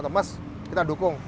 mas kita dukung